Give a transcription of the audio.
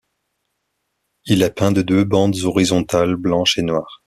Il est peint de deux bandes horizontales blanches et noires.